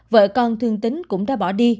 vợ con thương tín cũng đã bỏ đi